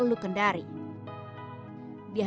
kota ini terdiri dari kota kendari